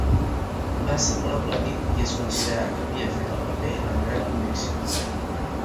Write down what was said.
Va ser molt aplaudit i es considerà que havia fet el paper amb gran convicció.